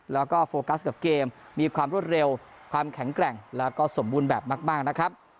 แล้วก็โฟกัสกับเกมมีความรวดเร็วความแข็งแกร่งแล้วก็สมบูรณ์แบบมากนะครับ